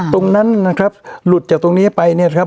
ตรงนั้นนะครับหลุดจากตรงนี้ไปเนี่ยนะครับ